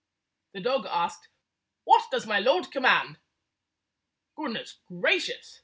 The dog asked, "What does my lord com mand? " "Goodness gracious!"